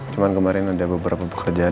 cuma kemarin ada beberapa pekerjaan